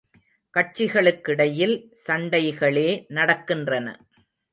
கட்சிகளுக்கிடையில் சண்டைகளே நடக்கின்றன.